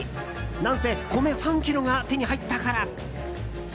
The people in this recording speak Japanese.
何せ米３ｋｇが手に入ったから。